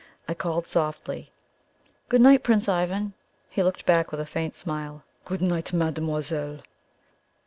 I called softly: "Good night, Prince Ivan!" He looked back with a faint smile. "Good night, mademoiselle!"